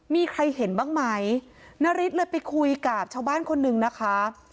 มีใครเห็นบ้างไหมนาริสเลยไปคุยกับชาวบ้านคนหนึ่งนะคะ